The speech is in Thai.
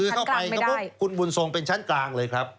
คือเข้าไปก็พบคุณบุญทรงเป็นชั้นกลางเลยครับ